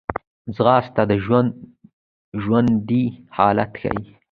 ځغاسته د ژوند ژوندي حالت ښيي